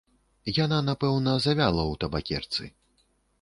Яна напэўна завяла ў табакерцы.